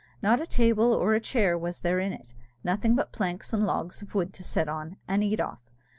Not a table or a chair was there in it; nothing but planks and logs of wood to sit on, and eat off.